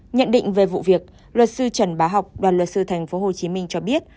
nhận định về vụ việc luật sư trần bá học đoàn luật sư tp hcm cho biết